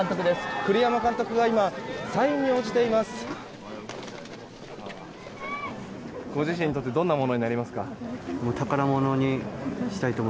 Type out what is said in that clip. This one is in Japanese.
栗山監督が今サインに応じています。